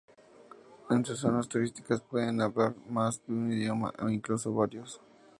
En zonas turísticas pueden hablar más de un idioma o incluso varios.